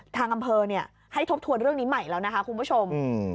ทางอำเภอให้ทบทวนเรื่องนี้ใหม่แล้วนะคะคุณผู้ชม